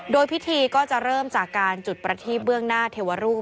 โดยพิธีก็จะเริ่มจากการจุดประทีบเบื้องหน้าเทวรูป